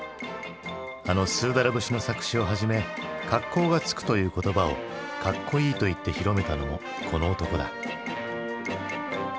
あの「スーダラ節」の作詞をはじめ「格好がつく」という言葉を「かっこいい」と言って広めたのもこの男だ。